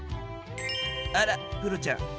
あらプロちゃん